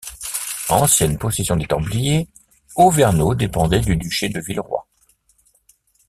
Ancienne possession des templiers, Auvernaux dépendait du duché de Villeroy.